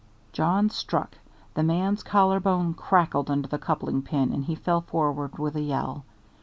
Jawn struck; the man's collarbone crackled under the coupling pin and he fell forward with a yell.